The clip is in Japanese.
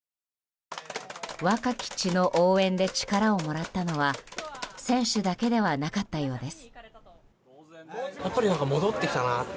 「若き血」の応援で力をもらったのは選手だけではなかったようです。